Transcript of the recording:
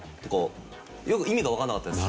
よく意味がわかんなかったです。